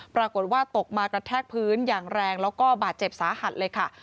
ปรากฏว่าตกมากระแทกพื้นอย่างแรงแล้วก็บาดเจ็บสาหัสเลยค่ะ